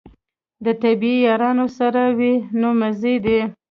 د طبې یاران درسره وي نو مزې دي.